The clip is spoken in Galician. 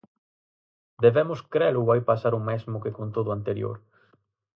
¿Debemos crelo ou vai pasar o mesmo que con todo o anterior?